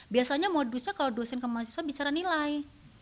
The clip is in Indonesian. biasanya modusnya kalau dosen ke mahasiswa bicara nilai